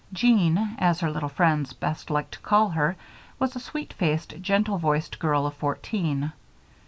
Jean, as her little friends best liked to call her, was a sweet faced, gentle voiced girl of fourteen.